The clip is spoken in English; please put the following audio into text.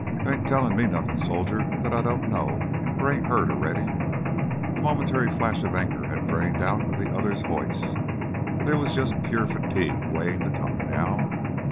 "You ain't tellin' me nothin', soldier, that I don't know or ain't already heard." The momentary flash of anger had drained out of the other's voice; there was just pure fatigue weighting the tongue now.